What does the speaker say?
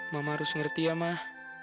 mama harus ngerti ya mah